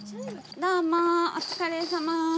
どうもお疲れさま。